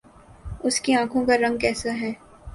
اس کی آنکھوں کا رنگ کیسا ہے